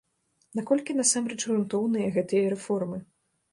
Наколькі насамрэч грунтоўныя гэтыя рэформы?